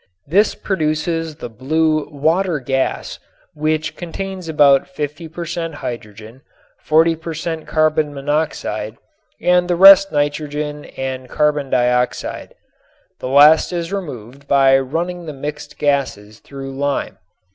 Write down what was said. This produces the blue water gas, which contains about 50 per cent. hydrogen, 40 per cent. carbon monoxide and the rest nitrogen and carbon dioxide. The last is removed by running the mixed gases through lime.